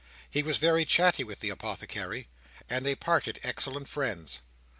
He was very chatty with the Apothecary, and they parted excellent friends.